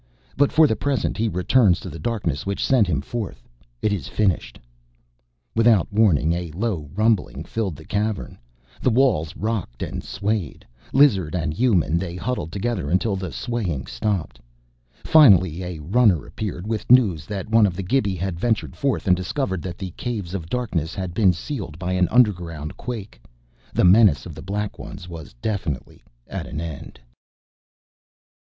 But for the present he returns to the darkness which sent him forth. It is finished." Without warning, a low rumbling filled the Cavern; the walls rocked and swayed. Lizard and human, they huddled together until the swaying stopped. Finally a runner appeared with news that one of the Gibi had ventured forth and discovered that the Caves of Darkness had been sealed by an underground quake. The menace of the Black Ones was definitely at an end.